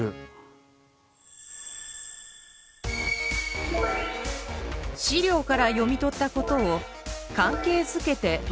資料から読み取ったことを関係づけてまとめると。